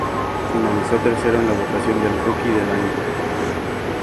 Finalizó tercero en la votación del Rookie del Año.